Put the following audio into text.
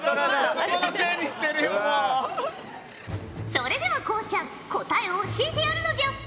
それではこうちゃん答えを教えてやるのじゃ！